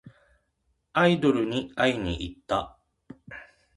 アイドルに会いにいった。